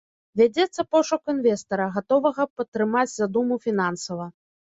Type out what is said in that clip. Вядзецца пошук інвестара, гатовага падтрымаць задуму фінансава.